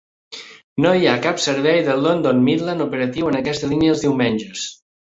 No hi ha cap servei de London Midland operatiu en aquesta línia els diumenges.